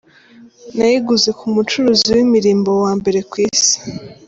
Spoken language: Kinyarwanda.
Nayiguze ku mucuruzi w’imirimbo wa mbere ku isi.